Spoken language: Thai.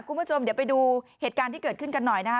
คุณผู้ชมเดี๋ยวไปดูเหตุการณ์ที่เกิดขึ้นกันหน่อยนะคะ